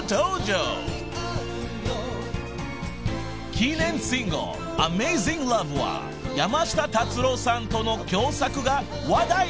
［記念シングル『ＡｍａｚｉｎｇＬｏｖｅ』は山下達郎さんとの共作が話題に］